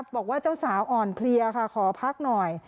บอกว่าเจ้าสาวอ่อนเพลียค่ะขอพักหน่อย